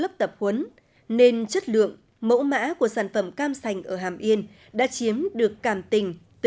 lớp tập huấn nên chất lượng mẫu mã của sản phẩm cam sành ở hàm yên đã chiếm được cảm tình từ